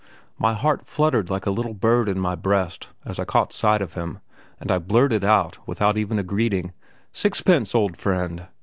My heart fluttered like a little bird in my breast as I caught sight of him, and I blurted out, without even a greeting: "Sixpence, old friend!"